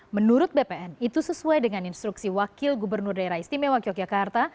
menurut bpn itu sesuai dengan instruksi wakil gubernur daerah istimewa yogyakarta